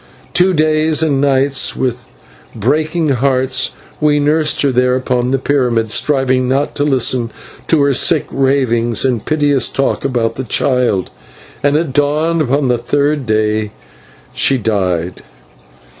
Two days and nights, with breaking hearts, we nursed her there upon the pyramid, striving not to listen to her sick ravings and piteous talk about the child, and at dawn upon the third day she died.